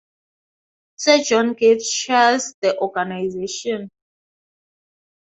Sir John Gieve chairs the organisation.